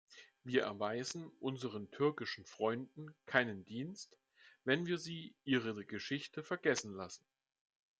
Wir erweisen unseren türkischen Freunden keinen Dienst, wenn wir sie ihre Geschichte vergessen lassen.